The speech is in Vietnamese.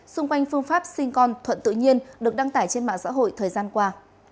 xung quanh phương pháp sinh con thuận tự nhiên được đăng tải trên mạng xã hội thời gian qua